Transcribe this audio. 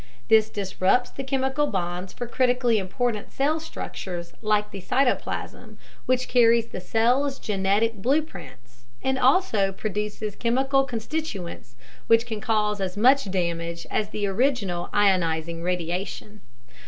This disrupts the chemical bonds for critically important cell structures like the cytoplasm, which carries the cell's genetic blueprints, and also produces chemical constituents which can cause as much damage as the original ionizing radiation.